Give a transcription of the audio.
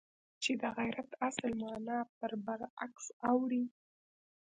چې د غیرت اصل مانا پر برعکس اوړي.